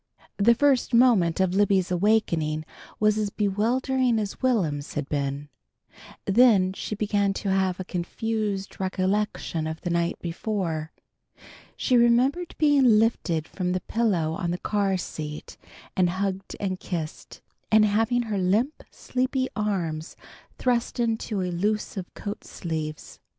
The first moment of Libby's awakening was as bewildering as Will'm's had been. Then she began to have a confused recollection of the night before. She remembered being lifted from the pillow on the car seat, and hugged and kissed, and having her limp, sleepy arms thrust into elusive coat sleeves.